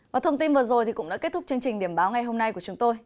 và thông tin vừa rồi cũng đã kết thúc chương trình điểm báo ngày hôm nay của chúng tôi